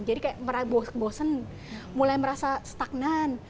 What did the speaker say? jadi kayak merasa bosen mulai merasa stagnan